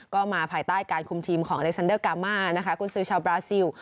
ก็มาภายใต้การคุมทีมของเลซันเดอร์กามานะคะกุญสือชาวบราซิล